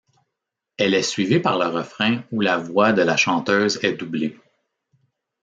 Elle est suivie par le refrain où la voix de la chanteuse est doublée.